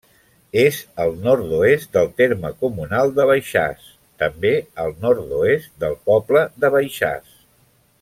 És al nord-oest del terme comunal de Baixàs, també al nord-oest del poble de Baixàs.